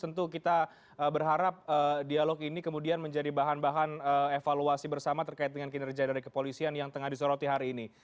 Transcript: tentu kita berharap dialog ini kemudian menjadi bahan bahan evaluasi bersama terkait dengan kinerja dari kepolisian yang tengah disoroti hari ini